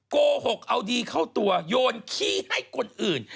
โกหกเอาดีเข้าตัวโยนขี้ให้คนอื่น